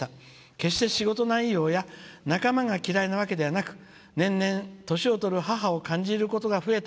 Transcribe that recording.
決して仕事内容や仲間が嫌いなわけではなく年々、年をとる母を感じることが増えた